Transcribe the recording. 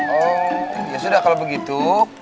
oh ya sudah kalau begitu